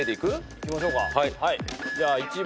いきましょうか。